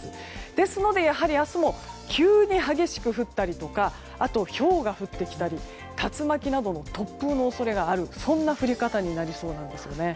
ですので明日も急に激しく降ったりとかあと、ひょうが降ってきたり竜巻などの突風の恐れがあるそんな降り方になりそうなんですよね。